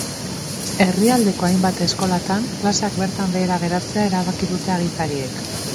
Herrialdeko hainbat eskolatan klaseak bertan behera geratzea erabaki dute agintariek.